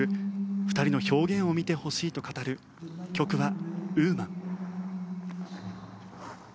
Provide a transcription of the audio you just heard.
２人の表現を見てほしいと語る曲は『Ｗｏｍａｎ』。